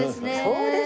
そうです。